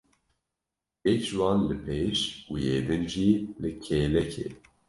Yek ji wan li pêş û yê din jî li kêlekê.